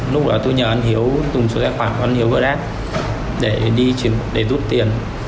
lúc đó tôi nhờ anh hiếu dùng số tài khoản của anh hiếu vỡ đát để rút tiền